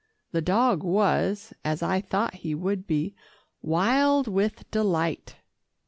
The dog was, as I thought he would be, wild with delight.